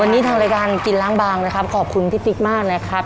วันนี้ทางรายการกินล้างบางนะครับขอบคุณพี่ติ๊กมากนะครับ